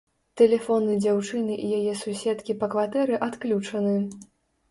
Тэлефоны дзяўчыны і яе суседкі па кватэры адключаны.